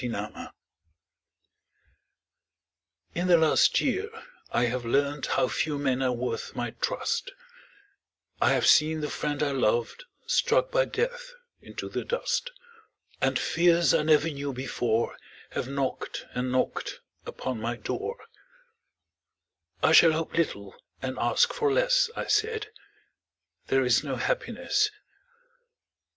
Red Maples In the last year I have learned How few men are worth my trust; I have seen the friend I loved Struck by death into the dust, And fears I never knew before Have knocked and knocked upon my door "I shall hope little and ask for less," I said, "There is no happiness."